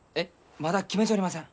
まだ決めちょりません。